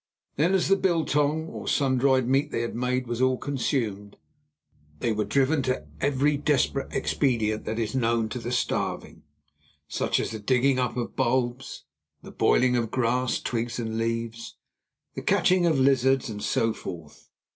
Then, as the "biltong" or sun dried meat they had made was all consumed, they were driven to every desperate expedient that is known to the starving, such as the digging up of bulbs, the boiling of grass, twigs and leaves, the catching of lizards, and so forth.